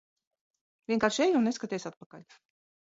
Vienkārši ej un neskaties atpakaļ.